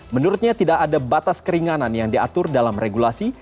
menurutnya tidak ada batas keringanan yang diatur dalam regulasi